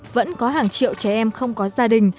vẫn có hàng triệu trẻ em không có gia đình